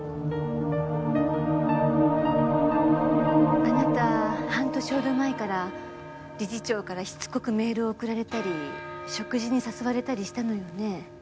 あなた半年ほど前から理事長からしつこくメールを送られたり食事に誘われたりしたのよね？